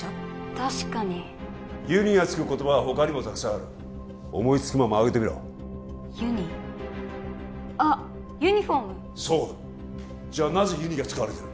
確かに「ｕｎｉ」がつく言葉は他にもたくさんある思いつくまま挙げてみろユニあっユニフォームそうだじゃあなぜｕｎｉが使われてる？